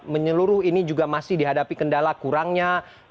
menyeluruh ini juga masih dihadapi kendala kurangnya